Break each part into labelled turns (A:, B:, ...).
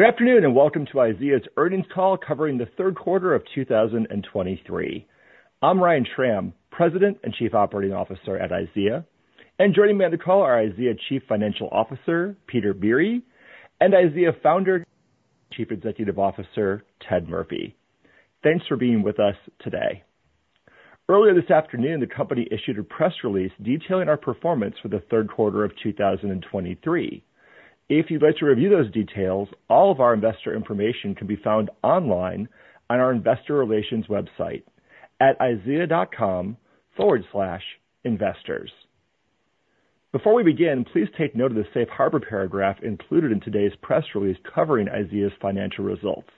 A: Good afternoon, and welcome to IZEA's earnings call covering the third quarter of 2023. I'm Ryan Schram, President and Chief Operating Officer at IZEA, and joining me on the call are IZEA Chief Financial Officer, Peter Biere, and IZEA Founder and Chief Executive Officer, Ted Murphy. Thanks for being with us today. Earlier this afternoon, the company issued a press release detailing our performance for the third quarter of 2023. If you'd like to review those details, all of our investor information can be found online on our Investor Relations website at IZEA.com/investors. Before we begin, please take note of the safe harbor paragraph included in today's press release covering IZEA's financial results,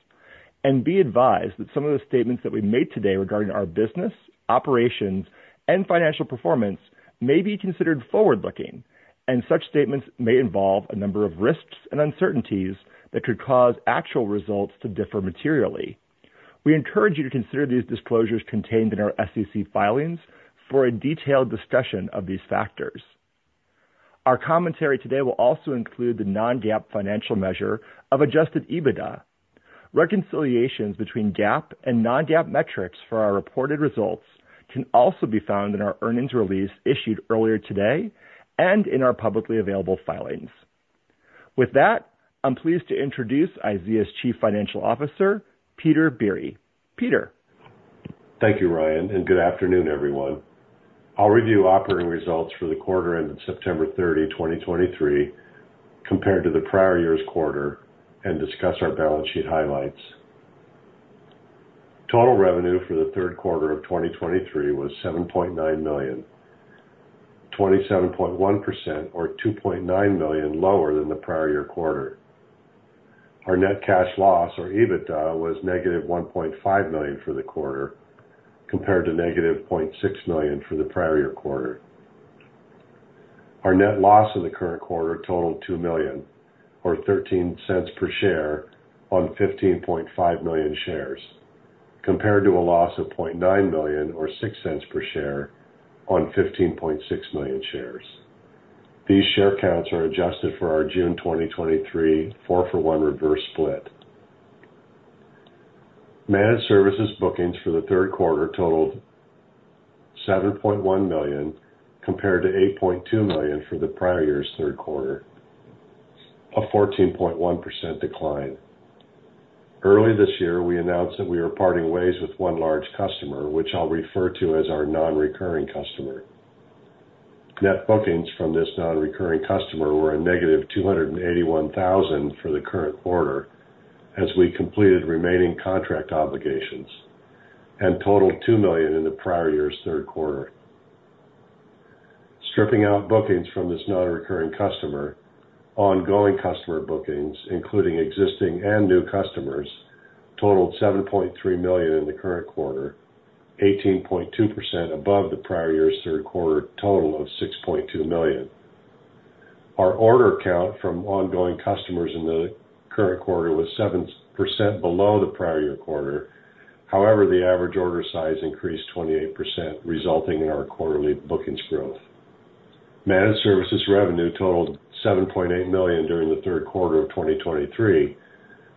A: and be advised that some of the statements that we've made today regarding our business, operations, and financial performance may be considered forward-looking, and such statements may involve a number of risks and uncertainties that could cause actual results to differ materially. We encourage you to consider these disclosures contained in our SEC filings for a detailed discussion of these factors. Our commentary today will also include the non-GAAP financial measure of Adjusted EBITDA. Reconciliations between GAAP and non-GAAP metrics for our reported results can also be found in our earnings release issued earlier today and in our publicly available filings. With that, I'm pleased to introduce IZEA's Chief Financial Officer, Peter Biere. Peter?
B: Thank you, Ryan, and good afternoon, everyone. I'll review operating results for the quarter ending September 30, 2023, compared to the prior year's quarter, and discuss our balance sheet highlights. Total revenue for the third quarter of 2023 was $7.9 million, 27.1% or $2.9 million lower than the prior year quarter. Our net cash loss or EBITDA was -$1.5 million for the quarter, compared to -$0.6 million for the prior year quarter. Our net loss in the current quarter totaled $2 million, or $0.13 per share on 15.5 million shares, compared to a loss of $0.9 million or $0.06 per share on 15.6 million shares. These share counts are adjusted for our June 2023, 4-for-1 reverse split. Managed Services bookings for the third quarter totaled $7.1 million, compared to $8.2 million for the prior year's third quarter, a 14.1% decline. Early this year, we announced that we are parting ways with one large customer, which I'll refer to as our non-recurring customer. Net bookings from this non-recurring customer were a -$281,000 for the current quarter, as we completed remaining contract obligations and totaled $2 million in the prior year's third quarter. Stripping out bookings from this non-recurring customer, ongoing customer bookings, including existing and new customers, totaled $7.3 million in the current quarter, 18.2% above the prior year's third quarter total of $6.2 million. Our order count from ongoing customers in the current quarter was 7% below the prior year quarter. However, the average order size increased 28%, resulting in our quarterly bookings growth. Managed Services revenue totaled $7.8 million during the third quarter of 2023,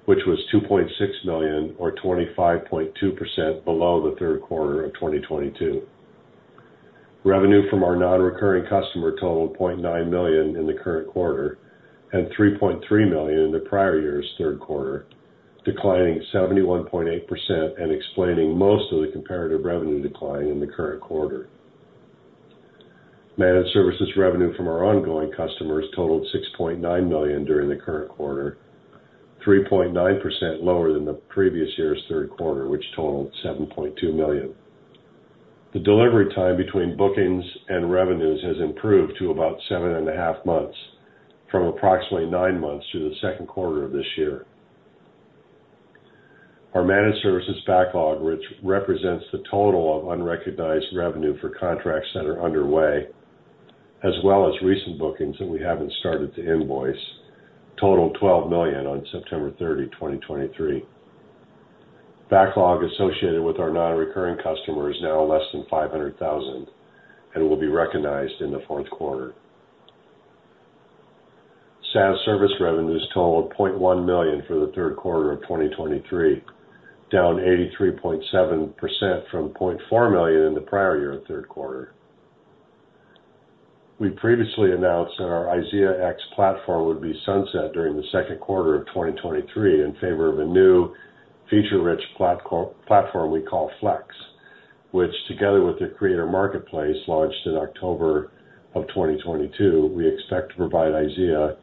B: which was $2.6 million or 25.2% below the third quarter of 2022. Revenue from our non-recurring customer totaled $0.9 million in the current quarter and $3.3 million in the prior year's third quarter, declining 71.8% and explaining most of the comparative revenue decline in the current quarter. Managed Services revenue from our ongoing customers totaled $6.9 million during the current quarter, 3.9% lower than the previous year's third quarter, which totaled $7.2 million. The delivery time between bookings and revenues has improved to about seven and half months, from approximately nine months through the second quarter of this year. Our Managed Services backlog, which represents the total of unrecognized revenue for contracts that are underway, as well as recent bookings that we haven't started to invoice, totaled $12 million on September 30, 2023. Backlog associated with our non-recurring customer is now less than $500,000 and will be recognized in the fourth quarter. SaaS Services revenues totaled $0.1 million for the third quarter of 2023, down 83.7% from $0.4 million in the prior year third quarter. We previously announced that our IZEAx platform would be sunset during the second quarter of 2023 in favor of a new, feature-rich platform we call Flex, which, together with the Creator Marketplace, launched in October of 2022. We expect to provide IZEA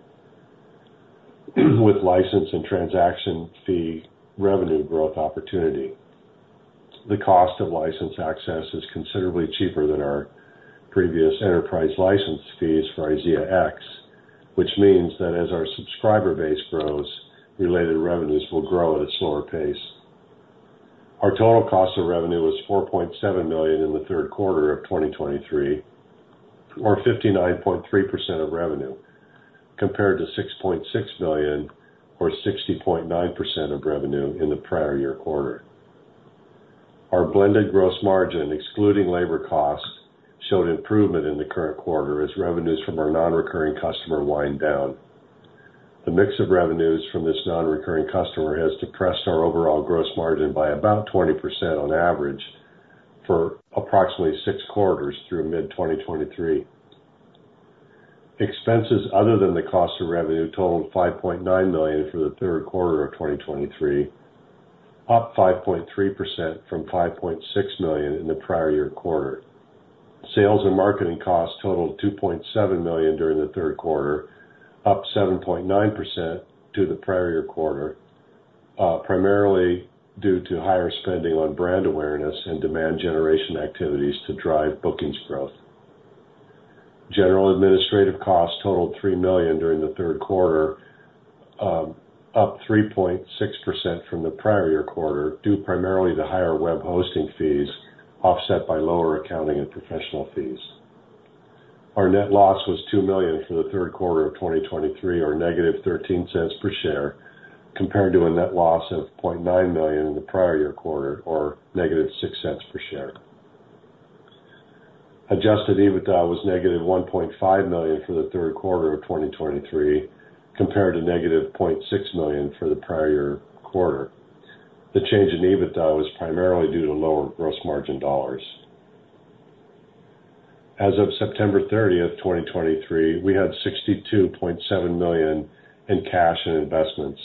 B: with license and transaction fee revenue growth opportunity. The cost of license access is considerably cheaper than our previous enterprise license fees for IZEAx, which means that as our subscriber base grows, related revenues will grow at a slower pace. Our total cost of revenue was $4.7 million in the third quarter of 2023, or 59.3% of revenue, compared to $6.6 million or 60.9% of revenue in the prior year quarter. Our blended gross margin, excluding labor costs, showed improvement in the current quarter as revenues from our non-recurring customer wind down. The mix of revenues from this non-recurring customer has depressed our overall gross margin by about 20% on average for approximately six quarters through mid-2023. Expenses other than the cost of revenue totaled $5.9 million for the third quarter of 2023, up 5.3% from $5.6 million in the prior year quarter. Sales and marketing costs totaled $2.7 million during the third quarter, up 7.9% to the prior year quarter, primarily due to higher spending on brand awareness and demand generation activities to drive bookings growth. General administrative costs totaled $3 million during the third quarter, up 3.6% from the prior year quarter, due primarily to higher web hosting fees, offset by lower accounting and professional fees. Our net loss was $2 million for the third quarter of 2023, or -$0.13 per share, compared to a net loss of $0.9 million in the prior year quarter, or -$0.06 per share. Adjusted EBITDA was -$1.5 million for the third quarter of 2023, compared to -$0.6 million for the prior year quarter. The change in EBITDA was primarily due to lower gross margin dollars. As of September 30, 2023, we had $62.7 million in cash and investments.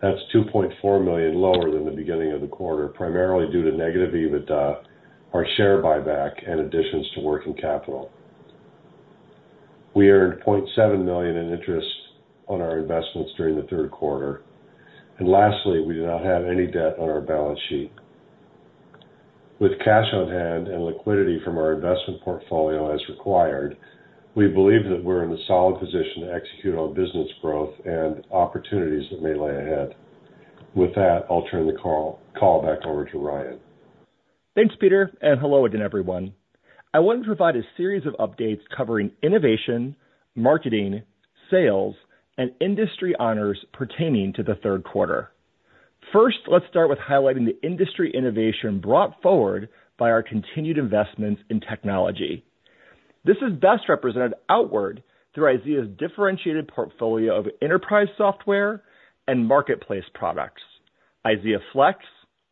B: That's $2.4 million lower than the beginning of the quarter, primarily due to negative EBITDA, our share buyback, and additions to working capital. We earned $0.7 million in interest on our investments during the third quarter. And lastly, we do not have any debt on our balance sheet. With cash on hand and liquidity from our investment portfolio as required, we believe that we're in a solid position to execute on business growth and opportunities that may lie ahead. With that, I'll turn the call back over to Ryan.
A: Thanks, Peter, and hello again, everyone. I want to provide a series of updates covering innovation, marketing, sales, and industry honors pertaining to the third quarter. First, let's start with highlighting the industry innovation brought forward by our continued investments in technology. This is best represented outward through IZEA's differentiated portfolio of enterprise software and marketplace products, IZEA Flex,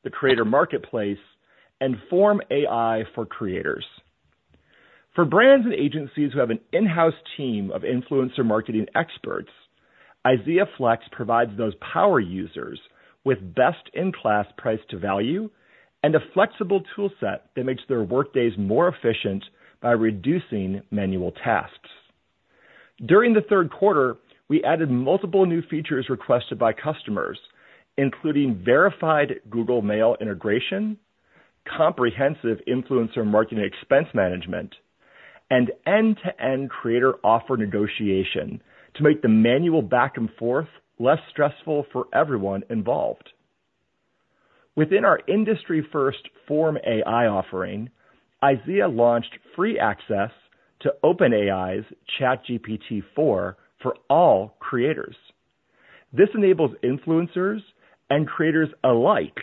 A: the Creator Marketplace, and FormAI for creators. For brands and agencies who have an in-house team of influencer marketing experts, IZEA Flex provides those power users with best-in-class price to value and a flexible toolset that makes their workdays more efficient by reducing manual tasks. During the third quarter, we added multiple new features requested by customers, including verified Google Mail integration, comprehensive influencer marketing expense management, and end-to-end creator offer negotiation to make the manual back and forth less stressful for everyone involved. Within our industry-first FormAI offering, IZEA launched free access to OpenAI's ChatGPT-4 for all creators. This enables influencers and creators alike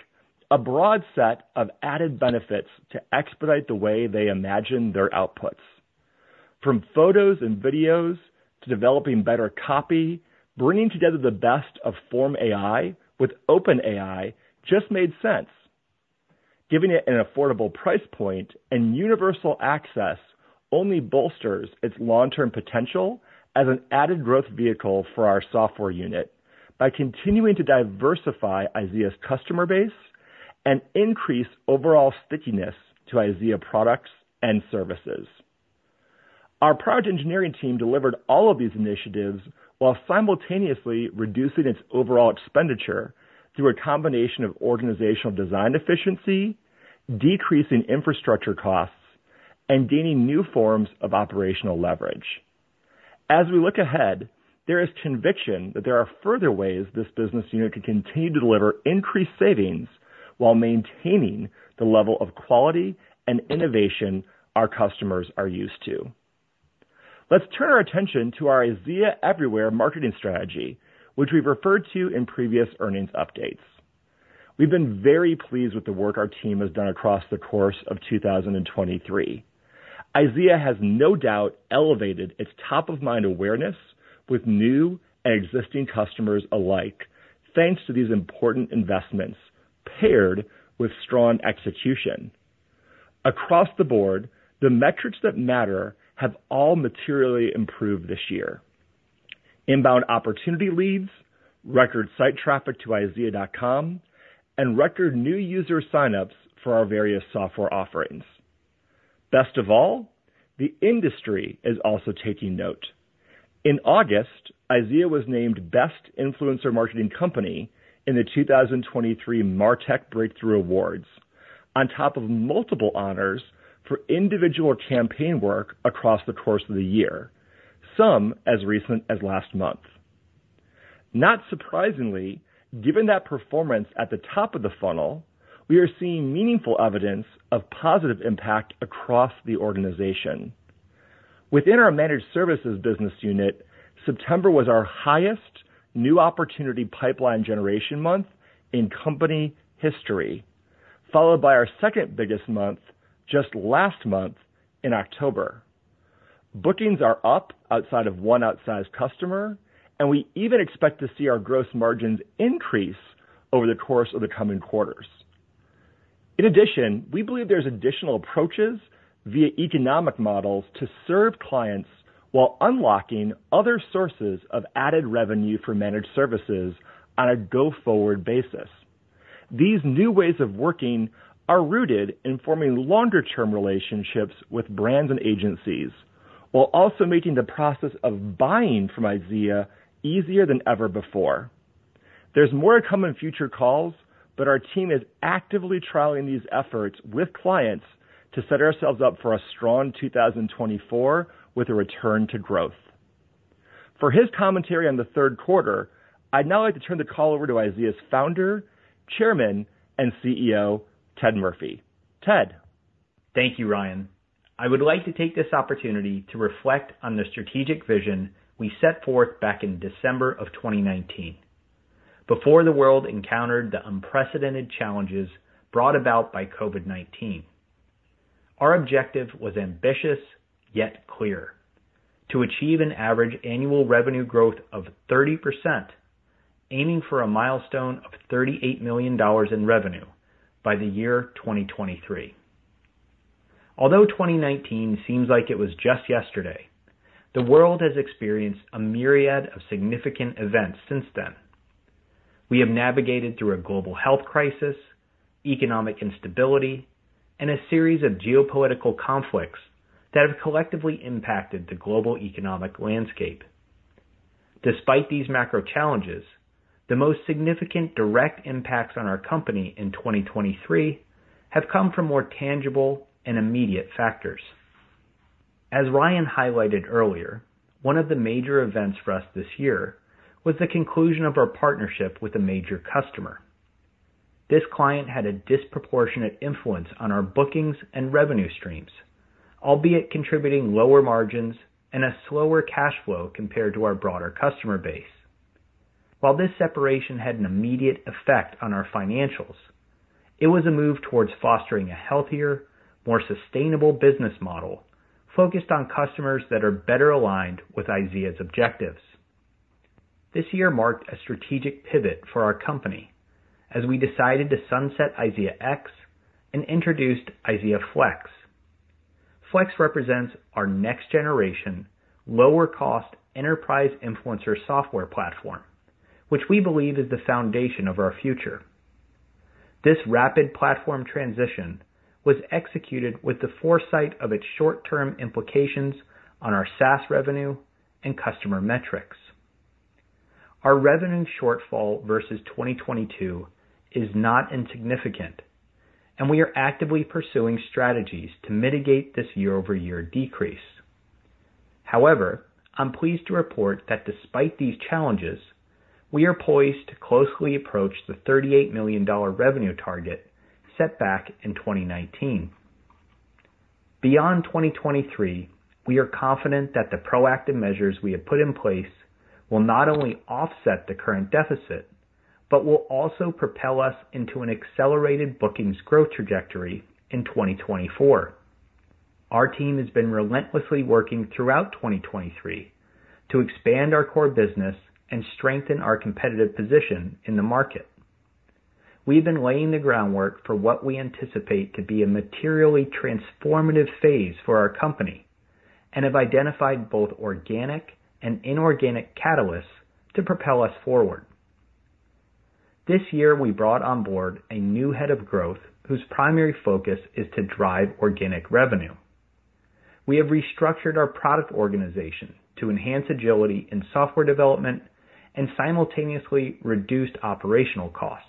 A: a broad set of added benefits to expedite the way they imagine their outputs. From photos and videos to developing better copy, bringing together the best of FormAI with OpenAI just made sense. Giving it an affordable price point and universal access only bolsters its long-term potential as an added growth vehicle for our software unit by continuing to diversify IZEA's customer base and increase overall stickiness to IZEA products and services. Our product engineering team delivered all of these initiatives while simultaneously reducing its overall expenditure through a combination of organizational design efficiency, decreasing infrastructure costs, and gaining new forms of operational leverage. As we look ahead, there is conviction that there are further ways this business unit can continue to deliver increased savings while maintaining the level of quality and innovation our customers are used to. Let's turn our attention to our IZEA Everywhere marketing strategy, which we've referred to in previous earnings updates. We've been very pleased with the work our team has done across the course of 2023. IZEA has no doubt elevated its top-of-mind awareness with new and existing customers alike, thanks to these important investments paired with strong execution. Across the board, the metrics that matter have all materially improved this year. Inbound opportunity leads, record site traffic to IZEA.com, and record new user signups for our various software offerings. Best of all, the industry is also taking note. In August, IZEA was named Best Influencer Marketing Company in the 2023 MarTech Breakthrough Awards, on top of multiple honors for individual campaign work across the course of the year, some as recent as last month. Not surprisingly, given that performance at the top of the funnel, we are seeing meaningful evidence of positive impact across the organization. Within our Managed Services business unit, September was our highest new opportunity pipeline generation month in company history, followed by our second biggest month, just last month in October. Bookings are up outside of one outsized customer, and we even expect to see our gross margins increase over the course of the coming quarters. In addition, we believe there's additional approaches via economic models to serve clients while unlocking other sources of added revenue for Managed Services on a go-forward basis. These new ways of working are rooted in forming longer-term relationships with brands and agencies, while also making the process of buying from IZEA easier than ever before. There's more to come in future calls, but our team is actively trialing these efforts with clients to set ourselves up for a strong 2024, with a return to growth. For his commentary on the third quarter, I'd now like to turn the call over to IZEA's founder, chairman, and CEO, Ted Murphy. Ted?
C: Thank you, Ryan. I would like to take this opportunity to reflect on the strategic vision we set forth back in December of 2019, before the world encountered the unprecedented challenges brought about by COVID-19. Our objective was ambitious, yet clear: to achieve an average annual revenue growth of 30%, aiming for a milestone of $38 million in revenue by the year 2023. Although 2019 seems like it was just yesterday, the world has experienced a myriad of significant events since then. We have navigated through a global health crisis, economic instability, and a series of geopolitical conflicts that have collectively impacted the global economic landscape. Despite these macro challenges, the most significant direct impacts on our company in 2023 have come from more tangible and immediate factors. As Ryan highlighted earlier, one of the major events for us this year was the conclusion of our partnership with a major customer. This client had a disproportionate influence on our bookings and revenue streams, albeit contributing lower margins and a slower cash flow compared to our broader customer base. While this separation had an immediate effect on our financials, it was a move towards fostering a healthier, more sustainable business model focused on customers that are better aligned with IZEA's objectives. This year marked a strategic pivot for our company as we decided to sunset IZEAx and introduced IZEA Flex. Flex represents our next generation, lower-cost enterprise influencer software platform, which we believe is the foundation of our future. This rapid platform transition was executed with the foresight of its short-term implications on our SaaS revenue and customer metrics. Our revenue shortfall versus 2022 is not insignificant, and we are actively pursuing strategies to mitigate this year-over-year decrease. However, I'm pleased to report that despite these challenges, we are poised to closely approach the $38 million revenue target set back in 2019. Beyond 2023, we are confident that the proactive measures we have put in place will not only offset the current deficit, but will also propel us into an accelerated bookings growth trajectory in 2024. Our team has been relentlessly working throughout 2023 to expand our core business and strengthen our competitive position in the market. We've been laying the groundwork for what we anticipate to be a materially transformative phase for our company and have identified both organic and inorganic catalysts to propel us forward. This year, we brought on board a new head of growth, whose primary focus is to drive organic revenue. We have restructured our product organization to enhance agility in software development and simultaneously reduced operational costs.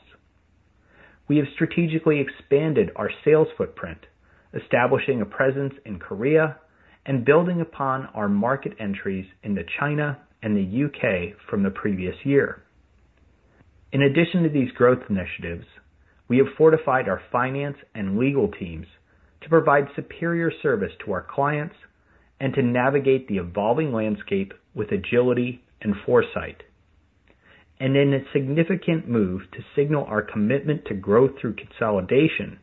C: We have strategically expanded our sales footprint, establishing a presence in Korea and building upon our market entries into China and the U.K. from the previous year. In addition to these growth initiatives, we have fortified our finance and legal teams to provide superior service to our clients and to navigate the evolving landscape with agility and foresight. In a significant move to signal our commitment to growth through consolidation,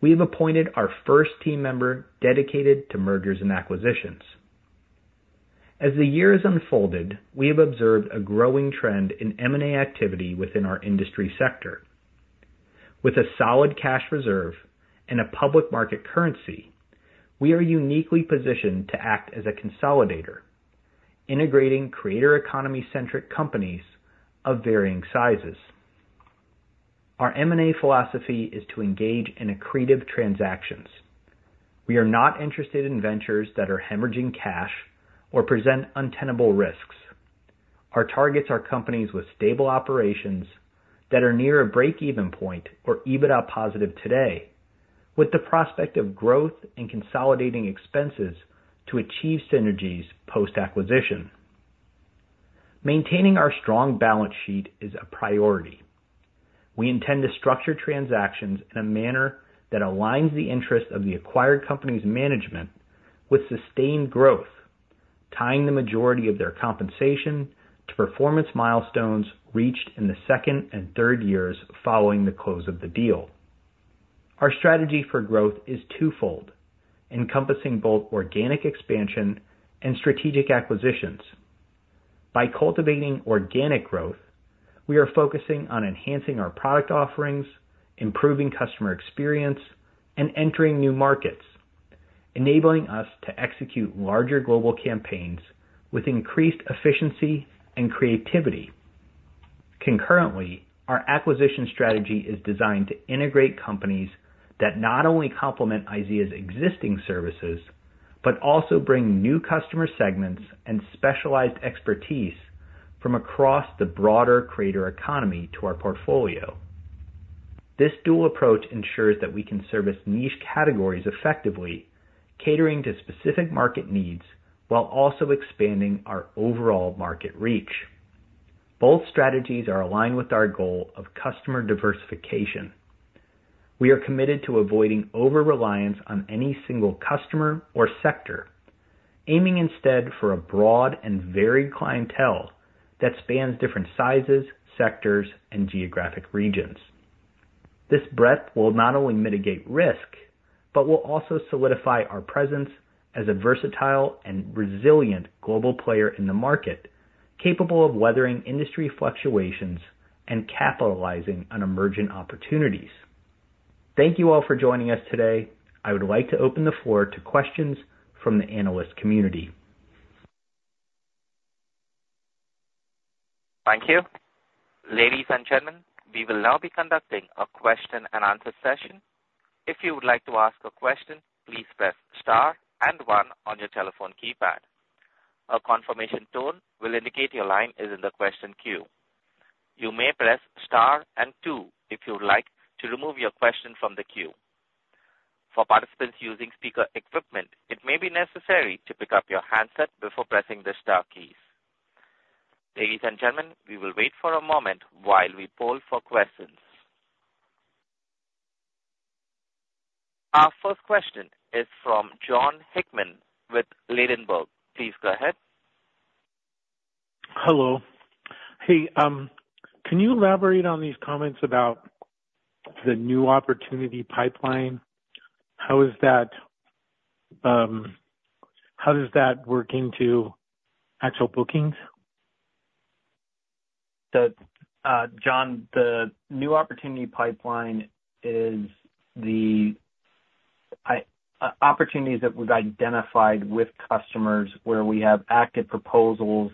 C: we have appointed our first team member dedicated to mergers and acquisitions. As the year has unfolded, we have observed a growing trend in M&A activity within our industry sector. With a solid cash reserve and a public market currency, we are uniquely positioned to act as a consolidator, integrating Creator Economy-centric companies of varying sizes. Our M&A philosophy is to engage in accretive transactions. We are not interested in ventures that are hemorrhaging cash or present untenable risks. Our targets are companies with stable operations that are near a break-even point or EBITDA positive today, with the prospect of growth and consolidating expenses to achieve synergies post-acquisition. Maintaining our strong balance sheet is a priority. We intend to structure transactions in a manner that aligns the interest of the acquired company's management with sustained growth, tying the majority of their compensation to performance milestones reached in the second and third years following the close of the deal. Our strategy for growth is twofold, encompassing both organic expansion and strategic acquisitions. By cultivating organic growth, we are focusing on enhancing our product offerings, improving customer experience, and entering new markets, enabling us to execute larger global campaigns with increased efficiency and creativity. Concurrently, our acquisition strategy is designed to integrate companies that not only complement IZEA's existing services, but also bring new customer segments and specialized expertise from across the broader Creator Economy to our portfolio. This dual approach ensures that we can service niche categories effectively, catering to specific market needs, while also expanding our overall market reach. Both strategies are aligned with our goal of customer diversification. We are committed to avoiding over-reliance on any single customer or sector, aiming instead for a broad and varied clientele that spans different sizes, sectors, and geographic regions. This breadth will not only mitigate risk, but will also solidify our presence as a versatile and resilient global player in the market, capable of weathering industry fluctuations and capitalizing on emerging opportunities. Thank you all for joining us today. I would like to open the floor to questions from the analyst community.
D: Thank you. Ladies and gentlemen, we will now be conducting a question-and-answer session. If you would like to ask a question, please press star and one on your telephone keypad. A confirmation tone will indicate your line is in the question queue. You may press star and two if you would like to remove your question from the queue. For participants using speaker equipment, it may be necessary to pick up your handset before pressing the star keys. Ladies and gentlemen, we will wait for a moment while we poll for questions. Our first question is from Jon Hickman with Ladenburg. Please go ahead.
E: Hello. Hey, can you elaborate on these comments about the new opportunity pipeline? How is that, how does that work into actual bookings?
C: The, Jon, the new opportunity pipeline is the opportunities that we've identified with customers where we have active proposals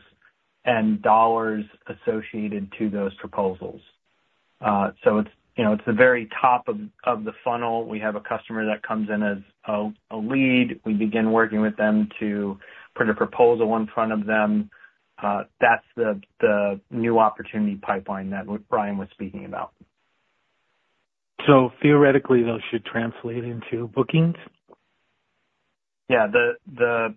C: and dollars associated to those proposals. So it's, you know, it's the very top of, of the funnel. We have a customer that comes in as a, a lead. We begin working with them to put a proposal in front of them. That's the, the new opportunity pipeline that Ryan was speaking about.
E: So theoretically, those should translate into bookings?
C: Yeah, the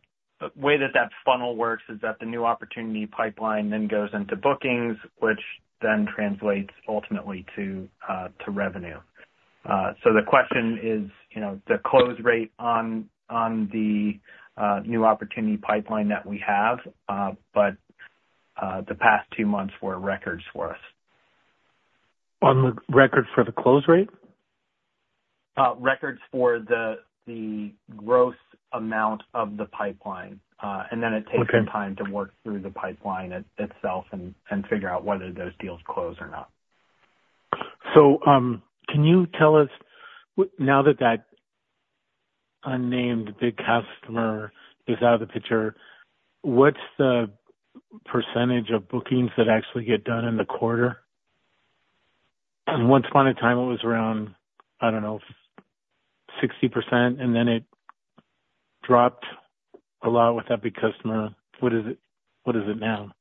C: way that funnel works is that the new opportunity pipeline then goes into bookings, which then translates ultimately to revenue. So the question is, you know, the close rate on the new opportunity pipeline that we have, but the past two months were records for us.
E: On the record for the close rate?
C: records for the gross amount of the pipeline. And then it takes-
E: Okay.
C: Some time to work through the pipeline itself and figure out whether those deals close or not.
E: So, can you tell us, now that that unnamed big customer is out of the picture, what's the percentage of bookings that actually get done in the quarter? Once upon a time, it was around, I don't know, 60%, and then it dropped a lot with that big customer. What is it, what is it now?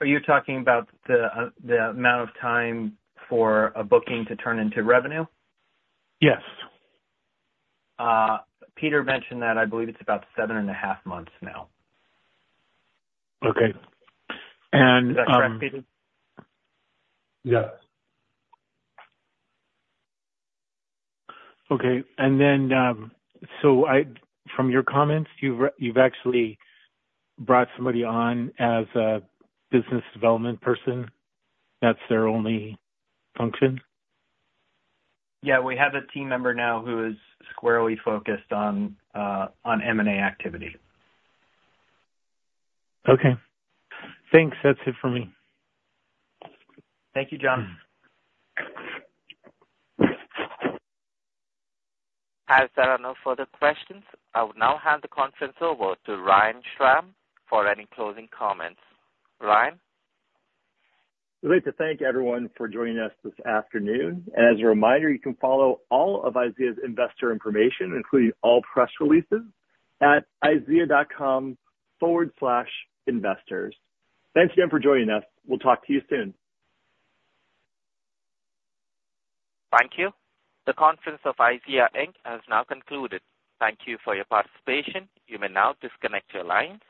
C: Are you talking about the amount of time for a booking to turn into revenue?
E: Yes.
C: Peter mentioned that. I believe it's about seven and half months now.
E: Okay. And,
C: Is that correct, Peter?
B: Yes.
E: Okay. And then, from your comments, you've actually brought somebody on as a business development person, that's their only function?
C: Yeah, we have a team member now who is squarely focused on M&A activity.
E: Okay. Thanks. That's it for me.
C: Thank you, Jon.
D: As there are no further questions, I will now hand the conference over to Ryan Schram for any closing comments. Ryan?
A: We'd like to thank everyone for joining us this afternoon. As a reminder, you can follow all of IZEA's investor information, including all press releases, at IZEA.com/investors. Thanks again for joining us. We'll talk to you soon.
D: Thank you. The conference of IZEA Worldwide, Inc. has now concluded. Thank you for your participation. You may now disconnect your lines.